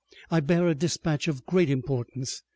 I bear a dispatch of great importance.